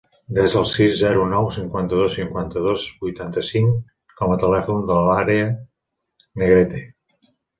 Desa el sis, zero, nou, cinquanta-dos, cinquanta-dos, vuitanta-cinc com a telèfon de l'Aria Negrete.